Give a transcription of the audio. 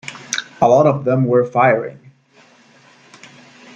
A lot of them were firing.